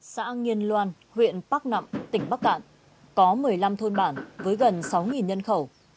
xã nghiên loan huyện bắc nẵm tỉnh bắc cạn có một mươi năm thôn bản với gần sáu nhân khẩu